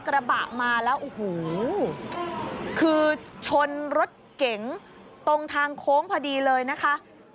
กระบะมาแล้วโอ้โหคือชนรถเก๋งตรงทางโค้งพอดีเลยนะคะ